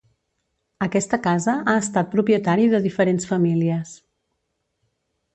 Aquesta casa ha estat propietari de diferents famílies.